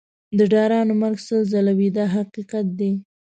د ډارنو مرګ سل ځله وي دا حقیقت دی.